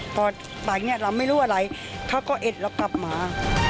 พอไปเนี่ยเราไม่รู้อะไรเขาก็เอ็ดเรากลับมา